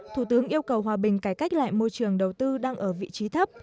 thủ tướng yêu cầu hòa bình cải cách lại môi trường đầu tư đang ở vị trí thấp